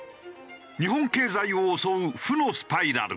日本経済を襲う負のスパイラル。